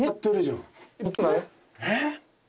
えっ！